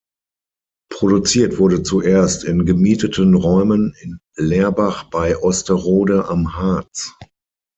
Produziert wurde zuerst in gemieteten Räumen in Lerbach bei Osterode am Harz.